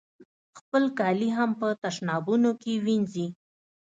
خپل کالي هم په تشنابونو کې وینځي.